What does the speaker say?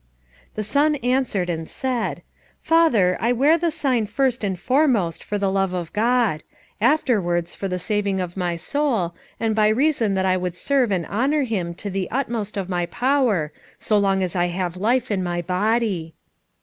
The son answered, and said, "Father, I wear the Sign first and foremost for the love of God; afterwards for the saving of my soul, and by reason that I would serve and honour Him to the utmost of my power, so long as I have life in my body."